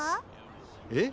えっ！